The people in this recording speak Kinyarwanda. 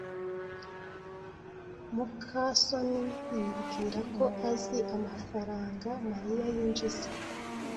muka soni yibwira ko azi amafaranga Mariya yinjiza,